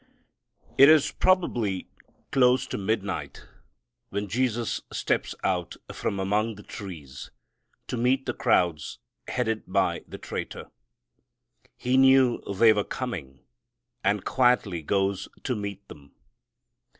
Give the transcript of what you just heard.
It is probably close to midnight when Jesus steps out from among the trees to meet the crowds headed by the traitor. He knew they were coming, and quietly goes to meet them.